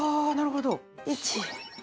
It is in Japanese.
ああなるほど。